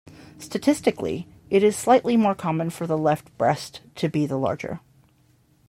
Statistically it is slightly more common for the left breast to be the larger.